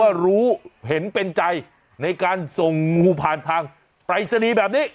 รู้เห็นเป็นใจในการส่งงูผ่านทางปรายศนีย์แบบนี้